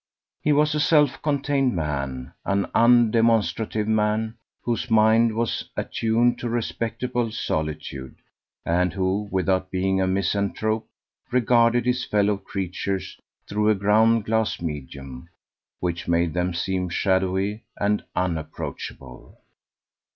He was a self contained man an undemonstrative man, whose mind was attuned to respectable solitude, and who, without being a misanthrope, regarded his fellow creatures through a ground glass medium, which made them seem shadowy and unapproachable.